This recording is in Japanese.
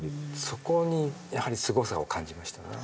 そこにやはりすごさを感じましたね。